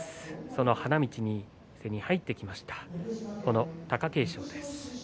その花道にすでに入ってきました貴景勝です。